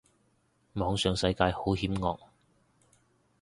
網上世界好險惡